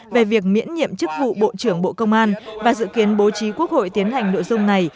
về việc miễn nhiệm chức vụ bộ trưởng bộ công an và dự kiến bố trí quốc hội tiến hành nội dung này